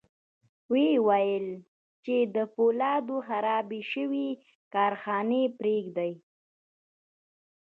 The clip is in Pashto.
ويې ويل چې د پولادو خرابې شوې کارخانې پرېږدي.